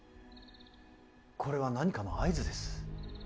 これは何かの合図です。